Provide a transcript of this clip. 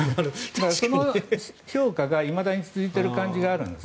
その評価がいまだに続いている感じがあるんです。